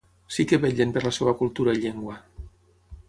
Sí que vetlen per la seva cultura i llengua.